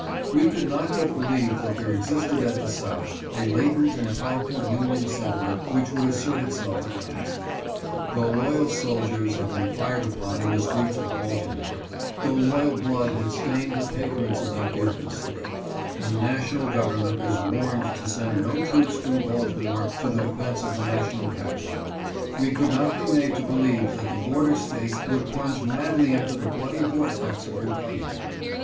We could not but believe that there existed at the South a latent and powerful Union sentiment C408) AUTHOR'S SPEECH IN ROCHESTER. 409 which would assert itself at last. Though loyal soldiers had been fired upon in the streets of Baltimore, though loyal blood had stained the pavements of that beautiful city, and the national government was warned to send no troops through Baltimore to the defense of the National Capital, we could not be made to believe that the border States would plunge madly into the bloody vortex of rebellion.